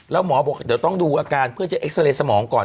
แล้วหมอบอกเดี๋ยวต้องดูอาการเพื่อจะเอ็กซาเรย์สมองก่อน